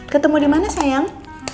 ketemu dimana sayang